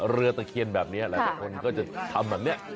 เรือตะเคียนแบบเนี้ยค่ะหลายคนก็จะทำแบบเนี้ย